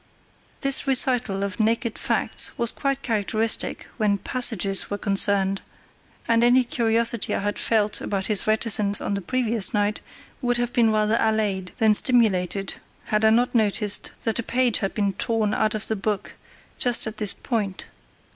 This recital of naked facts was quite characteristic when "passages" were concerned, and any curiosity I had felt about his reticence on the previous night would have been rather allayed than stimulated had I not noticed that a page had been torn out of the book just at this point.